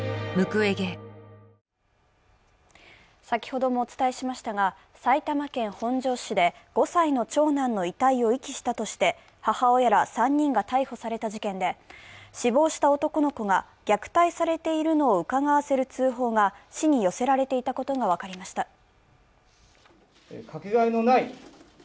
先ほどもお伝えしましたが、埼玉県本庄市で５歳の長男の遺体を遺棄したとして母親ら３人が逮捕された事件で死亡した男の子が虐待されているのをうかがわせる通報が市に寄せられていたことが分かりました。